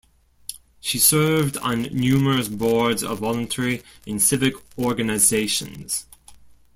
She served on numerous boards of voluntary and civic organizations.